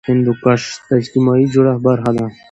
هندوکش د اجتماعي جوړښت برخه ده.